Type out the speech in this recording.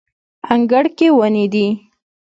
انګړ کې ونې دي